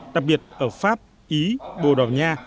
đặc biệt ở pháp ý bồ đào nha